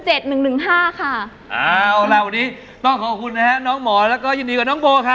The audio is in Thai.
เอาล่ะวันนี้ต้องขอบคุณนะฮะน้องหมอแล้วก็ยินดีกับน้องโบค่ะ